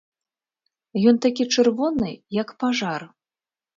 Ён такі чырвоны, як пажар.